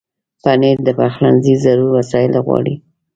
پنېر د پخلنځي ضرور وسایل غواړي.